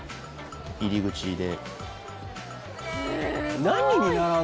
入り口で。